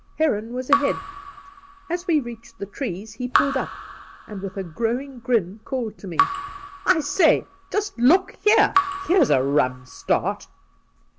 ' Heron was ahead. As we reached the trees, he pulled up, and with a growing grin called to me, " I say, just look here ! Here's a rum start